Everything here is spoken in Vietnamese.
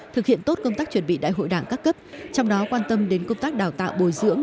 thực hiện tốt công tác chuẩn bị đại hội đảng các cấp trong đó quan tâm đến công tác đào tạo bồi dưỡng